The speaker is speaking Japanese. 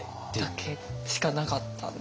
だけしかなかったんで。